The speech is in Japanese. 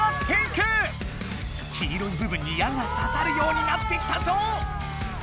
黄色い部分に矢がささるようになってきたぞ！